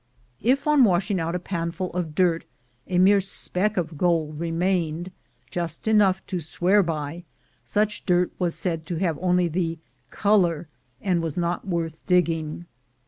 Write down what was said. If, on washing out a panful of dirt, a mere speck of gold remained, just enough to swear by, such dirt was said to have only "the color," and was not worth digging.